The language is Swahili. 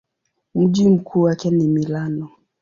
Mji mkuu wake ni Milano.